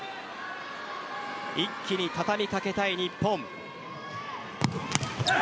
一気に畳みかけたい日本。